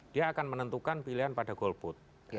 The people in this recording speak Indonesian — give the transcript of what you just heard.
dia akan menentukan pilihan pada gold boot